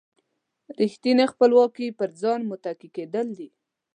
ریښتینې خپلواکي پر ځان متکي کېدل دي.